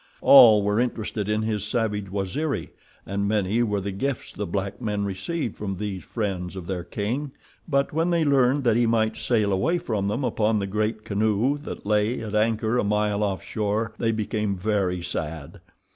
All were interested in his savage Waziri, and many were the gifts the black men received from these friends of their king, but when they learned that he might sail away from them upon the great canoe that lay at anchor a mile off shore they became very sad.